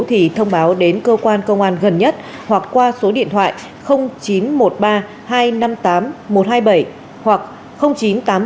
thì thông báo đến cơ quan công an gần nhất hoặc qua số điện thoại chín trăm một mươi ba hai trăm năm mươi tám một trăm hai mươi bảy hoặc chín trăm tám mươi bốn hai trăm hai mươi năm bảy trăm chín mươi ba